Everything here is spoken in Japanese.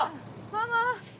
ママ！